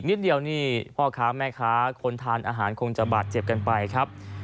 นิดเดียวนี่พ่อค้าแม่ค้าคนทานอาหารคงจะบาดเจ็บกันไปครับ